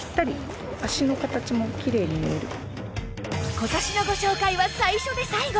今年のご紹介は最初で最後！